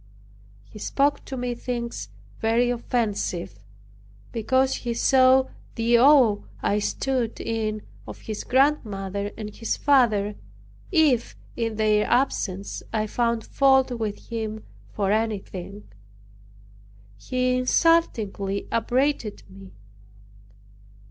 He spoke to me things very offensive. Because he saw the awe I stood in of his grandmother and his father, if in their absence I found fault with him for anything, he insultingly upbraided me.